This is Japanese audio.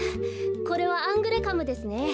これはアングレカムですね。